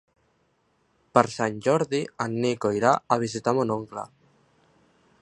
Per Sant Jordi en Nico irà a visitar mon oncle.